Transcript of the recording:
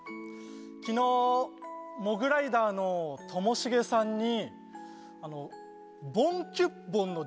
昨日モグライダーのともしげさんに。